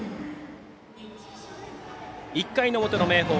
１回の表の明豊。